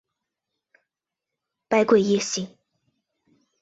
百鬼夜行。